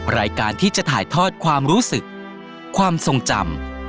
รายการที่จะถ่ายทอดความรู้สึกความทรงจำ